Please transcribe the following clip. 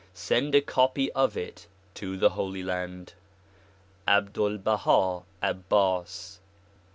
Send a copy of it to the Holy Land. Abdul Baha Abbas.